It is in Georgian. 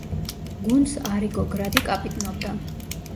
გუნდს არიგო გრადი კაპიტნობდა.